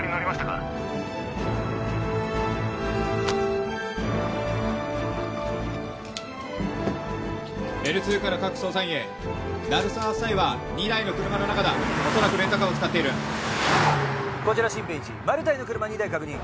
Ｌ２から各捜査員へ鳴沢夫妻は２台の車の中だ恐らくレンタカーを使っているこちらシンペン１マルタイの車２台確認